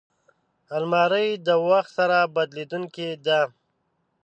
الماري د وخت سره بدلېدونکې ده